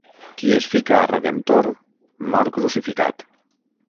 Qui es fica a redemptor, mor crucificat.